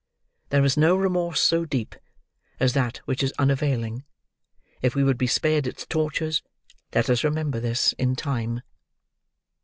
There is no remorse so deep as that which is unavailing; if we would be spared its tortures, let us remember this, in time.